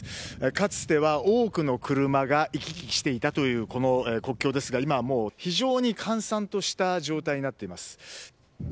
かつては多くの車が行き来していたというこの国境ですが、今は閑散とした状態になっています。